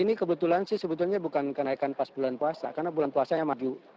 ini kebetulan sih sebetulnya bukan kenaikan pas bulan puasa karena bulan puasanya maju